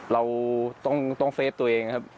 เราต้องปลอดภัยตัวเองครับ